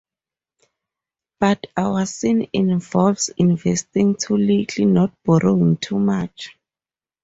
But our sin involves investing too little, not borrowing too much.